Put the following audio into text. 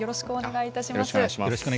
よろしくお願いします。